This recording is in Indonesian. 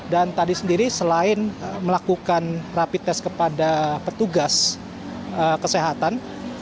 tadi sendiri selain melakukan rapid test kepada petugas kesehatan